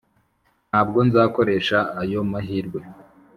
ntabwo nzakoresha ayo mahirwe.